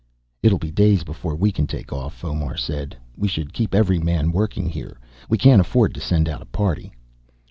"It'll be days before we can take off," Fomar said. "We should keep every man working here. We can't afford to send out a party."